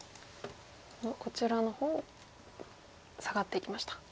こちらの方をサガっていきました。